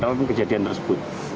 kenapa kejadian tersebut